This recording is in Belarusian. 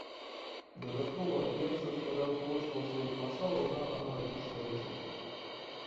Дадаткова герцаг падахвочваў сваіх васалаў на аналагічныя ўчынкі.